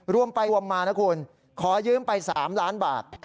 รวมไปรวมมานะคุณขอยืมไป๓ล้านบาท